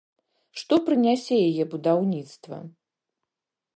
Што прынясе яе будаўніцтва?